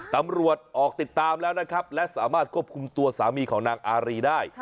ตำรวจออกติดตามแล้วนะครับและสามารถควบคุมตัวสามีของนางอารีได้